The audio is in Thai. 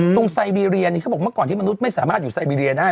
ไซบีเรียนี่เขาบอกเมื่อก่อนที่มนุษย์ไม่สามารถอยู่ไซบีเรียได้